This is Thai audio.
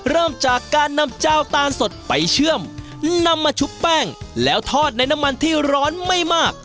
เริ่มจากการนำเจ้าตาลสดไปเชื่อมนำมาชุบแป้งแล้วทอดในน้ำมันที่ร้อนไม่มาก